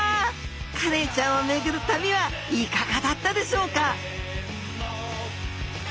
カレイちゃんを巡る旅はいかがだったでしょうか？